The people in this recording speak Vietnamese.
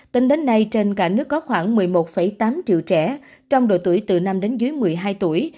tính đến nay trên cả nước có khoảng một mươi một tám triệu trẻ trong độ tuổi từ năm đến dưới một mươi hai tuổi